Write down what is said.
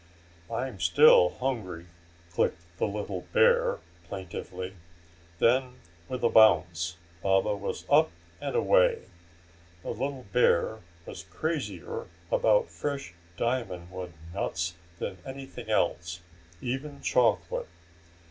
"I'm still hungry!" clicked the little bear, plaintively. Then, with a bounce, Baba was up and away. The little bear was crazier about fresh diamond wood nuts than anything else, even chocolate.